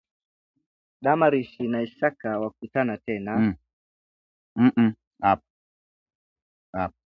Damaris na Isaka Wakutana Tena